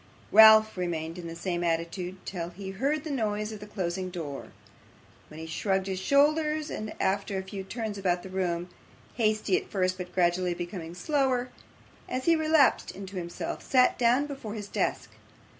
Ralph remained in the same attitude till he heard the noise of the closing door, when he shrugged his shoulders, and after a few turns about the room hasty at first, but gradually becoming slower, as he relapsed into himself sat down before his desk.